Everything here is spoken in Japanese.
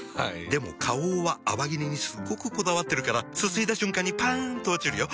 でも花王は泡切れにすっごくこだわってるからすすいだ瞬間にパン！と落ちるよ。